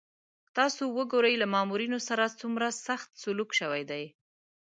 تاسو وګورئ له مامورینو سره څومره سخت سلوک شوی دی.